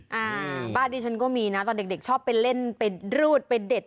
อ่าบ้านดิฉันก็มีนะตอนเด็กเด็กชอบไปเล่นไปรูดไปเด็ด